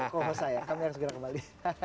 kompos saya kami harus kembali